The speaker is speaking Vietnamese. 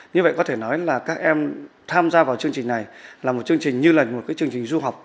như vậy có thể nói là các em tham gia vào chương trình này là một chương trình như là một chương trình du học